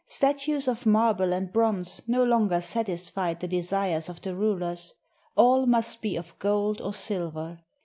Statues of marble and bronze no longer satisfied the desires of the rulers; all must be of gold or silver.